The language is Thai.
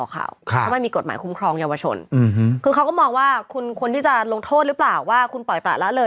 หยังไม่๑๘ปีเต็มค่ะแล้วนี้หรือ